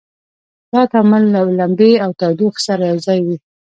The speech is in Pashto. دا تعامل له لمبې او تودوخې سره یو ځای وي.